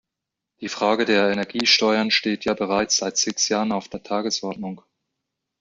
Die Frage der Energiesteuern steht ja bereits seit sechs Jahren auf der Tagesordnung.